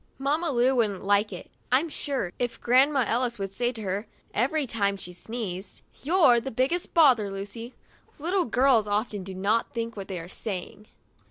Mamma Lu wouldn't like it, I'm sure, if Grandma Ellis would say to her, every time she sneezed : "You're the biggest bother, Lucy!' Little girls often do not think what they are saying.